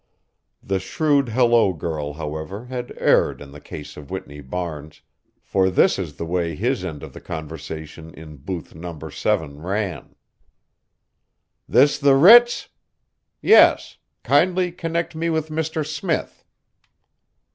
The shrewd hello girl, however, had erred in the case of Whitney Barnes, for this is the way his end of the conversation in booth No. 7 ran: This the Ritz? Yes. Kindly connect me with Mr. Smith.